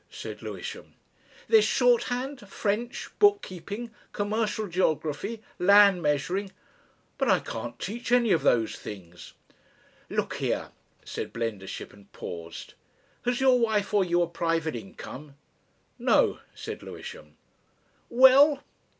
said Lewisham. "There's shorthand, French, book keeping, commercial geography, land measuring " "But I can't teach any of those things!" "Look here," said Blendershin, and paused. "Has your wife or you a private income?" "No," said Lewisham. "Well?"